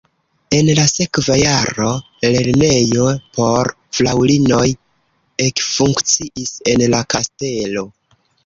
En la sekva jaro lernejo por fraŭlinoj ekfunkciis en la kastelo.